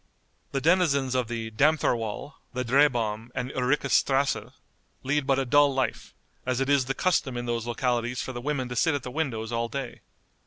The denizens of the Dammthorwall, the Drehbahm, and Ulricas strasse lead but a dull life, as it is the custom in those localities for the women to sit at the windows all day.